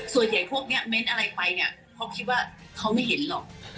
ส่วนใหญ่พวกนี้เม้นต์อะไรไปเนี่ยเขาคิดว่าเขาไม่เห็นหรอก